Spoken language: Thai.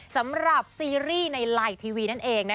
สำหรับซีรีส์ในไลน์ทีวีนั่นเอง